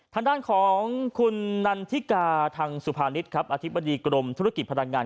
ทางด้านของคุณนันทิกาทางสุภานิษฐ์ครับอธิบดีกรมธุรกิจพลังงาน